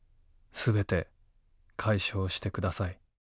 全て解消してください。